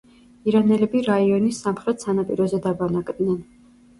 ირანელები რიონის სამხრეთ სანაპიროზე დაბანაკდნენ.